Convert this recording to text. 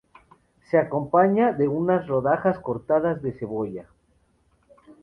Se acompaña de unas rodajas cortadas de cebolla.